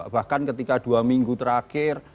bahkan ketika dua minggu terakhir